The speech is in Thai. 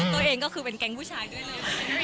ตัวเองก็คือเป็นแก๊งผู้ชายด้วยเลย